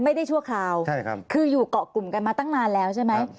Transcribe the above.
ไม่ได้ชั่วคราวคืออยู่เกาะกลุ่มกันมาตั้งนานแล้วใช่ไหม